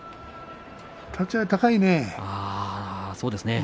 立ち合い高いね。